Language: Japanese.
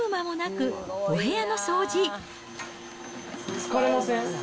疲れません？